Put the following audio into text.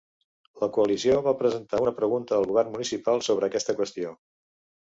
La coalició va presentar una pregunta al govern municipal sobre aquesta qüestió.